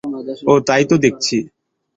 হ্যাঁ, তাই তো দেখছি।